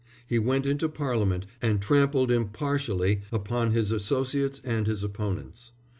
He went into Parliament and trampled impartially upon his associates and his opponents.